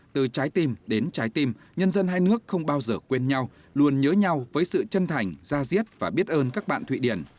từ trái tim đến trái tim nhân dân hai nước không bao giờ quên nhau luôn nhớ nhau với sự chân thành ra diết và biết ơn các bạn thụy điển